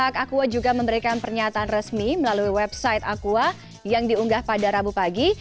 aqua juga memberikan pernyataan resmi melalui website aqua yang diunggah pada rabu pagi